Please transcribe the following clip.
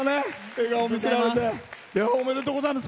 笑顔、見せられて。おめでとうございます。